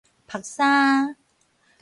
曝衫